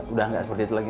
udah nggak seperti itu lagi